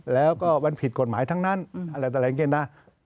แล้วก็วันผิดกฎหมายทั้งนั้นอะไรแบบนี้นะ